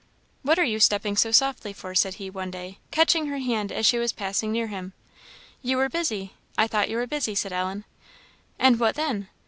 "What are you stepping so softly for?" said he, one day, catching her hand as she was passing near him. "You were busy I thought you were busy," said Ellen. "And what then?"